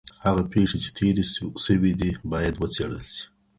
هغه پېښې چي تېرې سوې دي بايد وڅېړل سي.